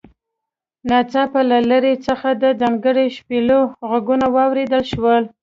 ناڅاپه له لرې څخه د ځانګړو شپېلیو غږونه واوریدل شول